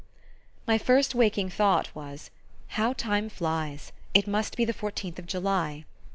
My first waking thought was: "How time flies! It must be the Fourteenth of July!"